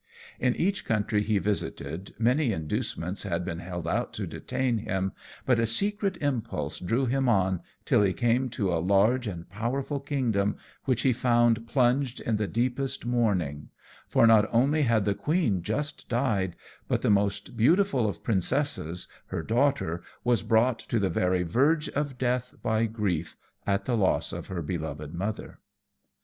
In each country he visited many inducements had been held out to detain him; but a secret impulse drew him on till he came to a large and powerful kingdom, which he found plunged in the deepest mourning; for not only had the queen just died, but the most beautiful of princesses, her daughter, was brought to the very verge of death by grief at the loss of her beloved mother.